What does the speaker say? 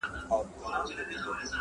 پر ښار ختلې د بلا ساه ده-